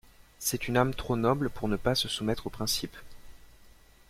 C'est une âme trop noble pour ne pas se soumettre aux principes.